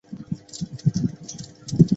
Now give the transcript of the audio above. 丑妮子。